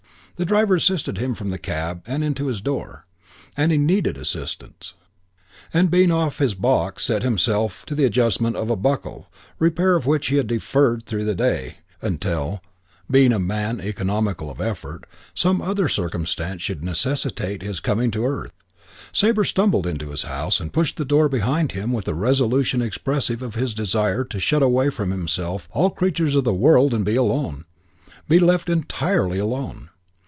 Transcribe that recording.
The driver assisted him from the cab and into his door and he needed assistance and being off his box set himself to the adjustment of a buckle, repair of which he had deferred through the day until (being a man economical of effort) some other circumstance should necessitate his coming to earth. Sabre stumbled into his house and pushed the door behind him with a resolution expressive of his desire to shut away from himself all creatures of the world and be alone, be left entirely alone.